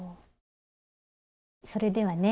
それではね